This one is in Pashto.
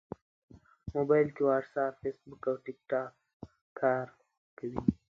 موبایل کې واټساپ، فېسبوک او ټېکټاک کار کوي.